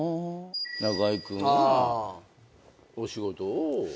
中居君がお仕事を。